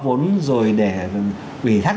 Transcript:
vốn rồi để ủy thác